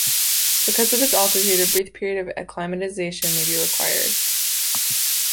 Because of its altitude, a brief period of acclimatization may be required.